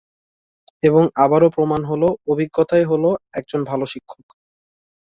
এবং আবারও প্রমাণ হল - অভিজ্ঞতাই হল একজন ভালো শিক্ষক।